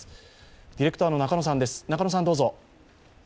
ディレクターの中野さんです。